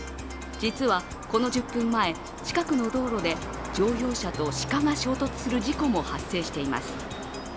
実はこの１０分前、近くの道路で乗用車と鹿が衝突する事故も発生しています。